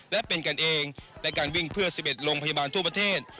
และเป็นกันเองและการวิ่งเพื่อ๑๑โรงพยาบาลทั่วประเทศ